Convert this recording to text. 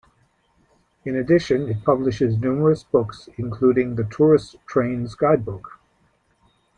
In addition, it publishes numerous books, including the "Tourist Trains Guidebook".